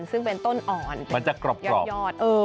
ซึ่งเป็นต้นอ่อนมันจะกรอบยอด